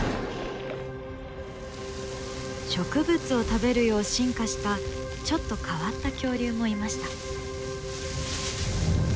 植物を食べるよう進化したちょっと変わった恐竜もいました。